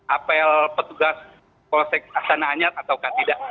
apel petugas polsek astana anyar atau tidak